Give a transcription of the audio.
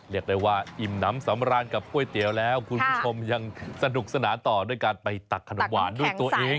เรียกได้ว่าอิ่มน้ำสำราญกับก๋วยเตี๋ยวแล้วคุณผู้ชมยังสนุกสนานต่อด้วยการไปตักขนมหวานด้วยตัวเอง